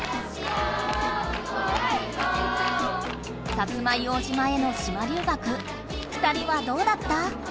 薩摩硫黄島への島留学２人はどうだった？